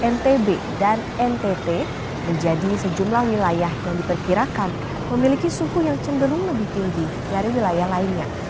ntb dan ntt menjadi sejumlah wilayah yang diperkirakan memiliki suhu yang cenderung lebih tinggi dari wilayah lainnya